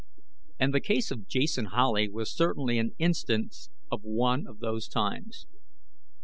And the case of Jason Howley was certainly an instance of one of those times.